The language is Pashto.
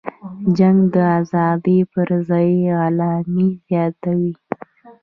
جنگ د ازادۍ پرځای غلامي زیاتوي.